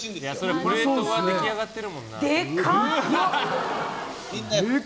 プレートが出来上がってるもんな。